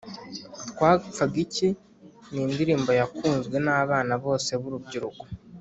Twapfaga iki ni indirimbo yakunzwe na abana bose b’urubyiruko